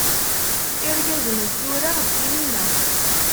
Irgazen n tura d ttimina.